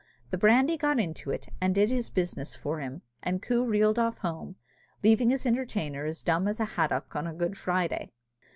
The brandy got into it, and did his business for him, and Coo reeled off home, leaving his entertainer as dumb as a haddock on a Good Friday.